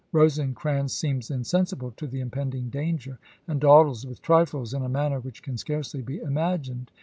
.. Rosecrans seems insensible to the impending danger, and dawdles with trifles in a manner which can scarcely be imagined.